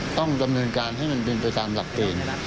ต้องดำเนินการให้มันเป็นไปตามหลักเกณฑ์